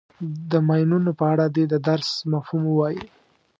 د ماینونو په اړه دې د درس مفهوم ووایي.